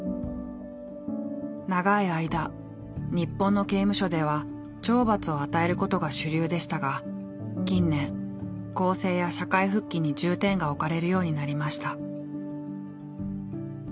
長い間日本の刑務所では懲罰を与えることが主流でしたが近年更生や社会復帰に重点が置かれるようになりました。